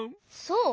そう？